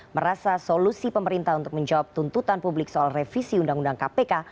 merasa solusi pemerintah untuk menjawab tuntutan publik soal revisi undang undang kpk